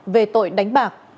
về tội đánh bạc